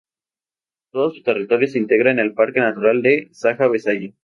Todo su territorio se integra en el parque natural del Saja-Besaya.